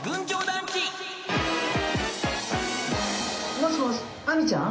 もしもしアミちゃん？